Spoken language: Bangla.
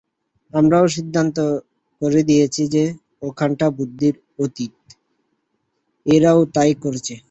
আমরাও সিদ্ধান্ত করে দিয়েছি যে ওখানটা বুদ্ধির অতীত, এরাও তাই করেছে।